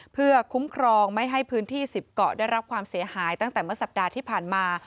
เพื่อคุ้มครองไม่ให้พื้นที่๑๐เกาะได้รับความเสียหายตั้งแต่เมื่อสัปดาห์ที่ผ่านมา